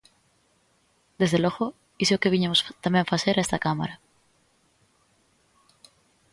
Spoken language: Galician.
Desde logo, iso é o que viñemos tamén facer a esta Cámara.